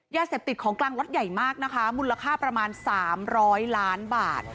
ยาเสพติดของกลางล็อตใหญ่มากนะคะมูลค่าประมาณ๓๐๐ล้านบาท